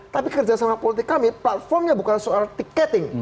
tapi kerjasama politik kami platformnya bukan soal tiketing